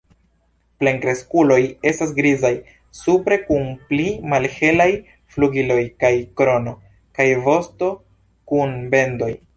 Plenkreskuloj estas grizaj supre kun pli malhelaj flugiloj kaj krono, kaj vosto kun bendoj.